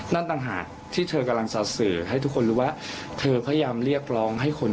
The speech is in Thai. ต่างหากที่เธอกำลังจะสื่อให้ทุกคนรู้ว่าเธอพยายามเรียกร้องให้คน